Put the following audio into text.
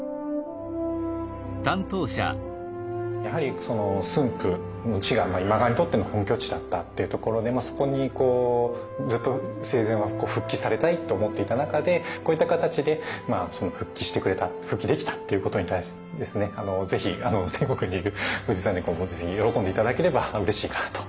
やはり駿府の地が今川にとっての本拠地だったっていうところでそこにずっと生前は復帰されたいと思っていた中でこういった形で復帰してくれた復帰できたっていうことに対してぜひ天国にいる氏真公も喜んで頂ければうれしいかなと思います。